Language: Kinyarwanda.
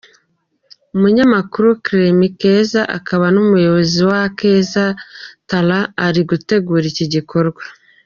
Umunyamakuru Clemy Keza, akanaba umuyobozi wa Akeza talent iri gutegura iki gikorwa.